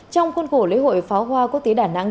trong cuốn cổ lễ hội pháo hoa quốc tế đà nẵng